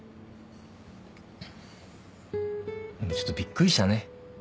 でもちょっとびっくりしたね。